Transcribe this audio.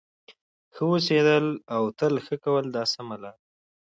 ښه اوسه او تل ښه کوه دا سمه لار ده.